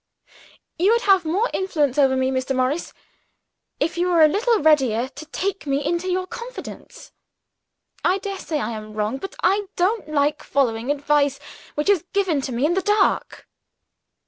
"You would have more influence over me, Mr. Morris, if you were a little readier to take me into your confidence. I daresay I am wrong but I don't like following advice which is given to me in the dark."